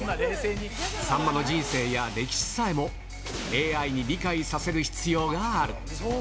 さんまの人生や歴史さえも、ＡＩに理解させる必要がある。